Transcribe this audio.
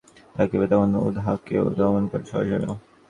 যখন একটি মাত্র তরঙ্গ অবশিষ্ট থাকিবে, তখন উহাকেও দমন করা সহজ হইবে।